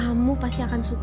kamu pasti akan suka